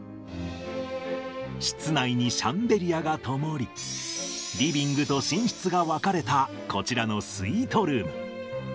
室内にシャンデリアがともり、リビングと寝室が分かれたこちらのスイートルーム。